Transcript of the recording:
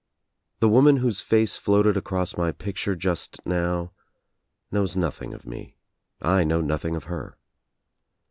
The woman whose face floated across my picture just now knows nothing of me. I know nothing of her.